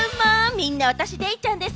みんな、私、デイちゃんです！